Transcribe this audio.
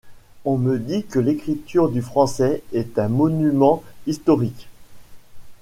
On me dit que l’écriture du français est un monument historique.